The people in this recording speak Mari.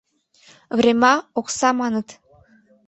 Врема — окса, маныт.